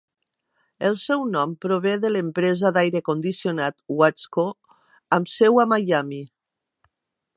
El seu nom prové de l'empresa d'aire condicionat Watsco, amb seu a Miami.